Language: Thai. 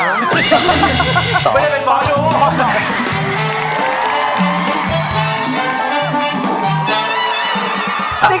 ไม่ได้เป็นหมอดู